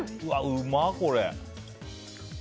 うま、これ。